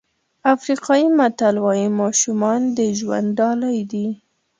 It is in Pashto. افریقایي متل وایي ماشومان د ژوند ډالۍ دي.